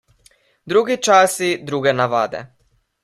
Drugi časi, druge navade.